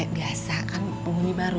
biasa kan umumnya baru